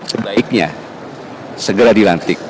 sebaiknya segera dilantik